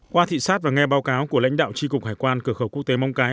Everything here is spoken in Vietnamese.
qua thị sát và nghe báo cáo của lãnh đạo tri cục hải quan cửa khẩu quốc tế móng cái